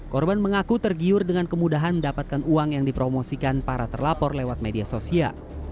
korban mengaku tergiur dengan kemudahan mendapatkan uang yang dipromosikan para terlapor lewat media sosial